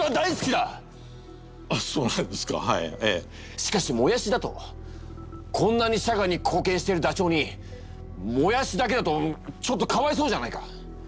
しかしもやしだとこんなに社会にこうけんしてるダチョウにもやしだけだとちょっとかわいそうじゃないか！